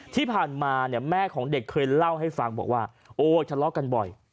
ที่ผ่านมาเนี่ยแม่ของเด็กเคยเล่าให้ฟังบอกว่าโอ้ทะเลาะกันบ่อย